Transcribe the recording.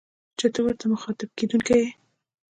چي ته ورته مخاطب کېدونکی يې